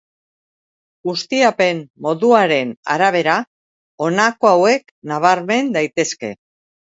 Ustiapen moduaren arabera, honako hauek nabarmen daitezke.